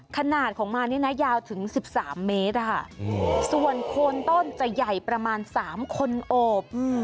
ขนาดของมันนี่นะยาวถึง๑๓เมตรส่วนโคนต้นจะใหญ่ประมาณ๓คนโอบ